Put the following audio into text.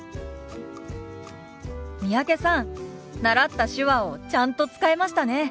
三宅さん習った手話をちゃんと使えましたね。